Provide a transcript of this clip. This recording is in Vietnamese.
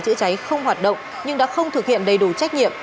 chữa cháy không hoạt động nhưng đã không thực hiện đầy đủ trách nhiệm